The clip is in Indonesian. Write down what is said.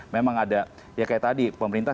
memang ada ya kayak tadi pemerintah